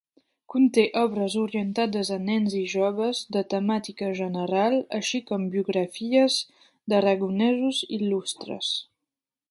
Conté obres orientades a nens i joves, de temàtica general, així com biografies d'aragonesos il·lustres.